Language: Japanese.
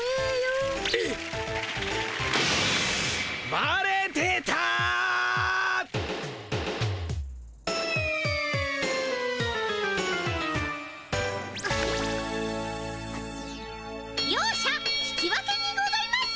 バレてた！両者引き分けにございます。